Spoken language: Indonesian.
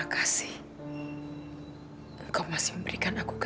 kita sabar nad